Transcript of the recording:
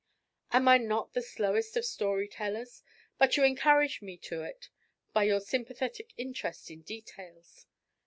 Am I not the slowest of story tellers? But you encourage me to it by your sympathetic interest in details.